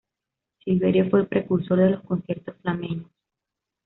Silverio fue el precursor de los conciertos flamencos.